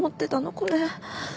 これ。